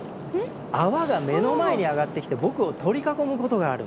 泡が目の前に上がってきて僕を取り囲むことがある。